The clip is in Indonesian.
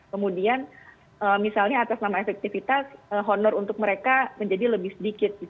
kemudian misalnya atas nama efektivitas honor untuk mereka menjadi lebih sedikit